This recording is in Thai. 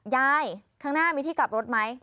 ข้างหน้ามีที่กลับรถไหม